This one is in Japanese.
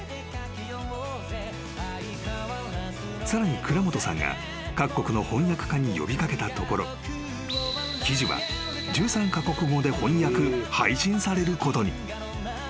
［さらに倉本さんが各国の翻訳家に呼び掛けたところ記事は１３カ国語で翻訳配信されることに］